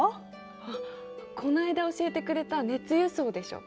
あっこの間教えてくれた「熱輸送」でしょ。